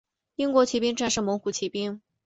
英国骑兵战胜蒙古骑兵。